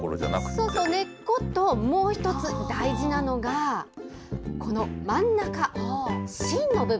そうそう、根っこともう一つ、大事なのが、この真ん中、芯の部芯？